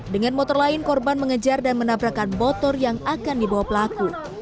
dengan motor lain korban mengejar dan menabrakan motor yang akan dibawa pelaku